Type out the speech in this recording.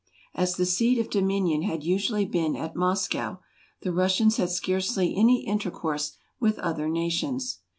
As the seat of dominion had usually been at Moscow, the Russians had scarcely any inter¬ course with other nations.